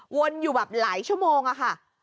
วนอยู่แบบหลายชั่วโมงอะค่ะ